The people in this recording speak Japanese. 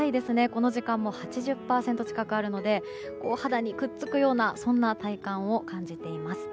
この時間も８０％近くあるので肌にくっつくようなそんな体感を感じています。